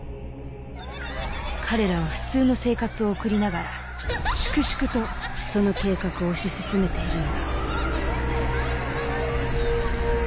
彼らは普通の生活を送りながら粛々とその計画を推し進めているのだ。